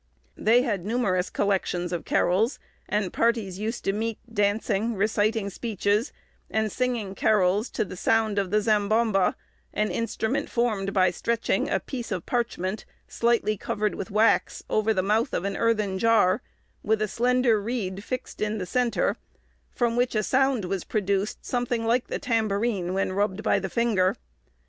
They had numerous collections of carols, and parties used to meet, dancing, reciting speeches, and singing carols to the sound of the zambomba, an instrument formed by stretching a piece of parchment, slightly covered with wax, over the mouth of an earthen jar, with a slender reed fixed in the centre, from which a sound was produced something like the tambourine, when rubbed by the finger.